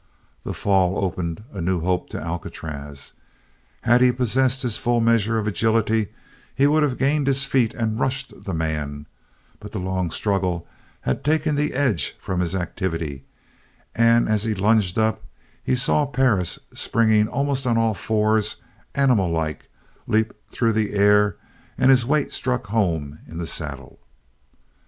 That fall opened a new hope to Alcatraz. Had he possessed his full measure of agility he would have gained his feet and rushed the man, but the long struggle had taken the edge from his activity and as he lunged up he saw Perris, springing almost on all fours, animal like, leap through the air and his weight struck home in the saddle.